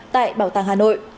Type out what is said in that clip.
tại bảo tàng hà nội